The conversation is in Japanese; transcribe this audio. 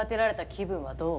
気分は、どう？